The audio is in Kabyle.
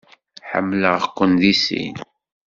Ḥemmleɣ-ken deg sin.